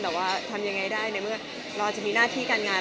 แต่ว่าทำยังไงได้ในเมื่อเราจะมีหน้าที่การงาน